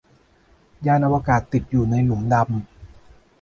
ยานอวกาศติดอยู่ในหลุมดำ